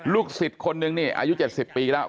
ลูกศิษย์คนหนึ่งนี่อายุ๗๐ปีแล้ว